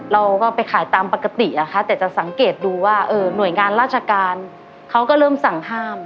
เราก็ไปขายตามปกตินะคะแต่จะสังเกตดูว่าหน่วยงานราชการเขาก็เริ่มสั่งห้าม